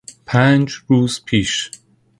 پنج روز پیش